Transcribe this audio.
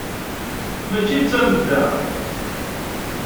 Mačči d tamedda.